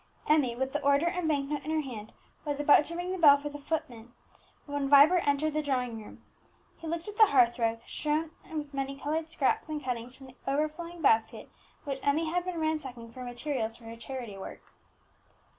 Emmie, with the order and bank note in her hand, was about to ring the bell for the footman, when Vibert entered the drawing room. He looked at the hearth rug, strewn with many coloured scraps and cuttings from the overflowing basket which Emmie had been ransacking for materials for her charity work.